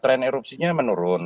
trend erupsinya menurun